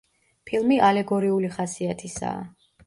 ფილმი ალეგორიული ხასიათისაა.